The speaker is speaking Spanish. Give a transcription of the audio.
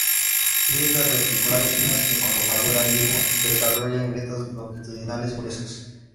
Grietas reticulares finas que cuando madura el higo se desarrollan grietas longitudinales gruesas.